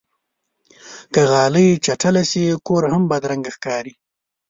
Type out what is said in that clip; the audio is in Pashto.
که غالۍ چټله شي، کور هم بدرنګه ښکاري.